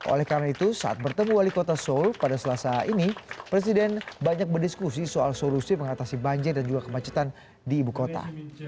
oleh karena itu saat bertemu wali kota seoul pada selasa ini presiden banyak berdiskusi soal solusi mengatasi banjir dan juga kemacetan di ibu kota